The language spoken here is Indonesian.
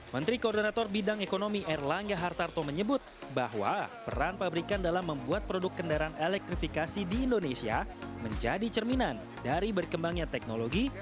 menteri koordinator bidang ekonomi erlangga hartarto menyebut bahwa peran pabrikan dalam membuat produk kendaraan elektrifikasi di indonesia menjadi cerminan dari berkembangnya teknologi